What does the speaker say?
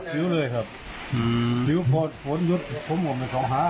ปิวพอฝนหยุดความห่วงไปสองห้าร์